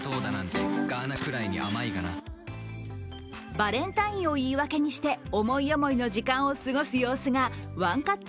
バレンタインを言い訳にして思い思いの時間を過ごす様子がワンカット